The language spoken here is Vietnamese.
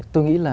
tôi nghĩ là